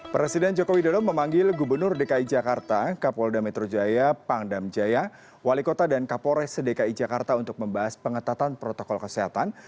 presiden jokowi dodo memanggil gubernur dki jakarta kapolda metro jaya pangdam jaya wali kota dan kapolres sedekai jakarta untuk membahas pengetatan protokol kesehatan